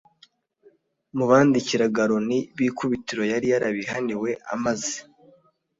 mu bandikiraga Loni b ikubitiro yari yarabihaniwe Amaze